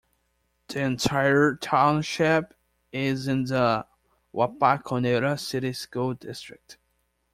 The entire township is in the Wapakoneta City School District.